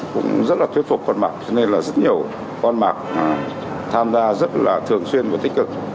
cũng rất là thuyết phục con mặt cho nên là rất nhiều con bạc tham gia rất là thường xuyên và tích cực